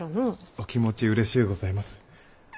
お気持ちうれしうございます。